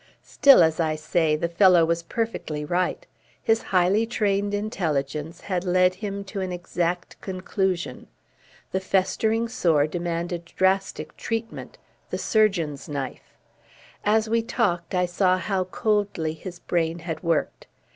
Still, as I say, the fellow was perfectly right. His highly trained intelligence had led him to an exact conclusion. The festering sore demanded drastic treatment, the surgeon's knife. As we talked I saw how coldly his brain had worked.